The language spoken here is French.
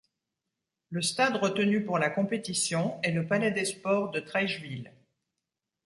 Le stade retenu pour la compétition est le Palais des sports de Treichville.